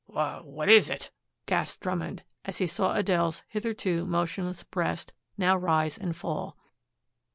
"Wh what is it?" gasped Drummond as he saw Adele's hitherto motionless breast now rise and fall.